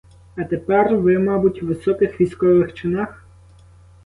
А тепер ви, мабуть, у високих військових чинах?